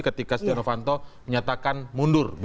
ketika setia novanto menyatakan mundur